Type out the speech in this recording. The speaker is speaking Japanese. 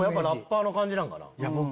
ラッパーの感じなんかな？